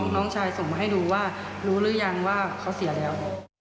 น้องชายส่งมาให้ดูว่ารู้หรือยังว่าเขาเสียแล้ว